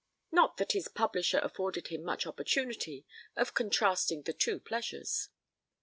Not that his publisher afforded him much opportunity of contrasting the two pleasures.